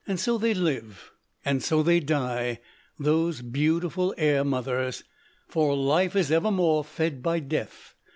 So they live, and so they die, those beautiful air mothers for life is evermore fed by death.